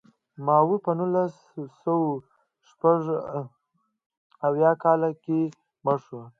ماوو په نولس سوه شپږ اویا کال کې مړ شو.